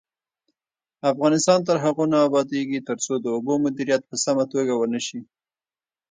افغانستان تر هغو نه ابادیږي، ترڅو د اوبو مدیریت په سمه توګه ونشي.